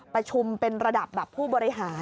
ประชุมเป็นระดับแบบผู้บริหาร